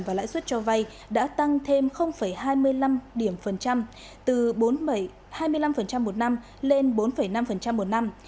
và lãi suất cho vay đã tăng thêm hai mươi năm điểm phần trăm từ hai mươi năm một năm lên bốn năm một năm